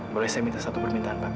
boleh saya minta satu permintaan pak